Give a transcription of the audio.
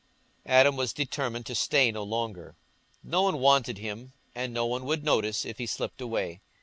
Adam was determined to stay no longer; no one wanted him, and no one would notice if he slipped away.